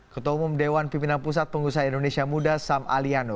ketua umum dewan pimpinan pusat pengusaha indonesia muda sam aliano